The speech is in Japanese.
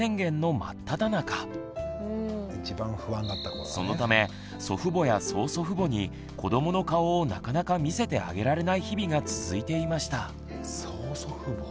特にそのため祖父母や曽祖父母に子どもの顔をなかなか見せてあげられない日々が続いていました。